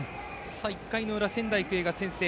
１回の裏、仙台育英が先制。